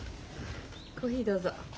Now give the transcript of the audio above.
コーヒーどうぞ。